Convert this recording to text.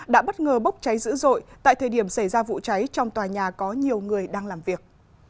đã bất ngờ bốc cháy dữ dội tại thời điểm xảy ra vụ cháy trong tòa nhà có nhiều người đang làm việc